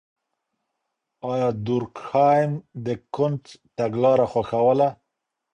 آيا دورکهايم د کُنت تګلاره خوښوله؟